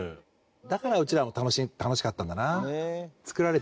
だからうちらも楽しかったんだな。